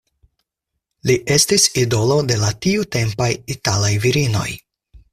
Li estis idolo de la tiutempaj italaj virinoj.